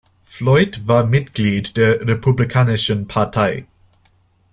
Floyd war Mitglied der Republikanischen Partei.